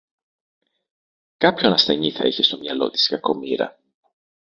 Κάποιον ασθενή θα είχε στο μυαλό της η κακομοίρα